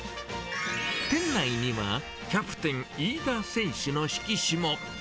店内にはキャプテン、飯田選手の色紙も。